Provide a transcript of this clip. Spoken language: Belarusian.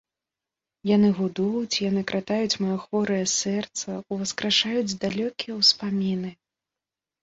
Яны гудуць, яны кратаюць маё хворае сэрца, уваскрашаюць далёкія ўспаміны.